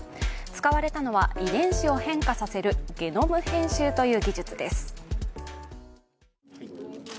使われたのは遺伝子を変化させるゲノム編集という技術です。